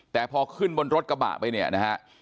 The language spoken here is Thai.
แต่พอขึ้นบนรถกระบะไปเนี่ยนะฮะ